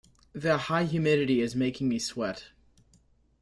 The high humidity is making me sweat.